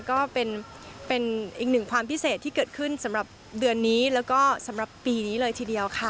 ก็เป็นอีกหนึ่งความพิเศษที่เกิดขึ้นสำหรับเดือนนี้แล้วก็สำหรับปีนี้เลยทีเดียวค่ะ